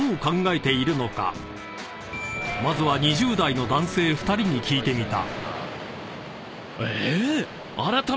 ［まずは２０代の男性２人に聞いてみた］